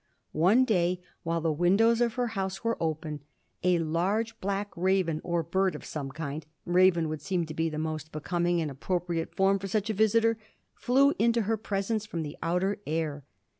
One day while the windows of her house were open, a large black raven, or bird of some kind — ^raven would seem to be the more becom ing and appropriate form for such a visitor — flew into her presence from the outer air.